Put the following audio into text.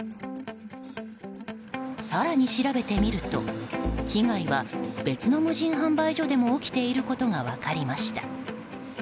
更に調べてみると被害は別の無人販売所でも起きていることが分かりました。